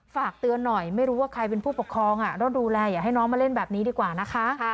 ฝากเตือนหน่อยไม่รู้ว่าใครเป็นผู้ปกครองต้องดูแลอย่าให้น้องมาเล่นแบบนี้ดีกว่านะคะ